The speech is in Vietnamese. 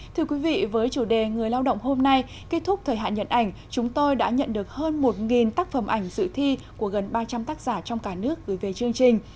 thưa quý vị với chủ đề người lao động hôm nay kết thúc thời hạn nhận ảnh chúng tôi đã nhận được hơn một tác phẩm ảnh dự thi của gần ba trăm linh tác giả trong cả nước gửi về chương trình